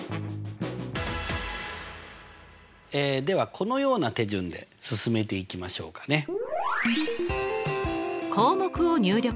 ではこのような手順で進めていきましょうかね。